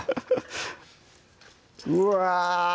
うわ！